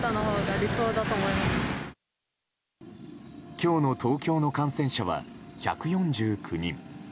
今日の東京の感染者は１４９人。